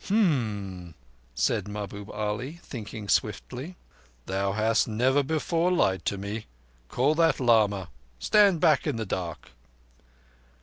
"Um!" said Mahbub Ali, thinking swiftly. "Thou hast never before lied to me. Call that lama—stand back in the dark."